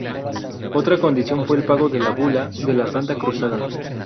Otra condición fue el pago de la Bula de la Santa Cruzada.